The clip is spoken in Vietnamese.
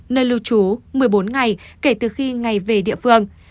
nơi lưu trú một mươi bốn ngày kể từ khi ngày về địa phương